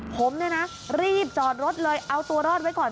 ผมเนี่ยนะรีบจอดรถเลยเอาตัวรอดไว้ก่อน